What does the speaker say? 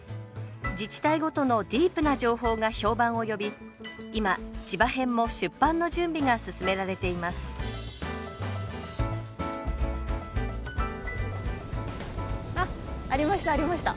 自治体ごとのディープな情報が評判を呼び今「千葉編」も出版の準備が進められていますあっありましたありました。